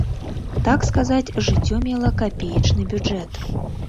Так сказаць, жыццё мела капеечны бюджэт.